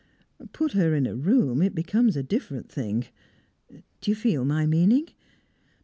Put her in a room it becomes a different thing. Do you feel my meaning?